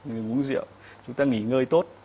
người uống rượu chúng ta nghỉ ngơi tốt